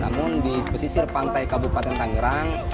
namun di pesisir pantai kabupaten tangerang